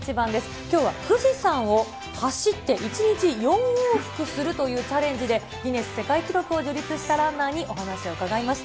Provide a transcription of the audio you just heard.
きょうは富士山を走って、１日４往復するというチャレンジで、ギネス世界記録を樹立したランナーにお話を伺いました。